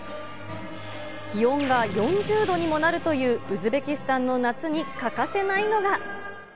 気温が４０度にもなるというウズベキスタンの夏に欠かせないのが。